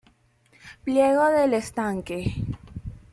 Pliego del estanque.